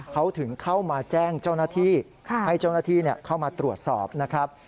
เขาถึงเข้ามาแจ้งเจ้าหน้าที่ให้เจ้าหน้าที่เข้ามาตรวจสอบนะครับ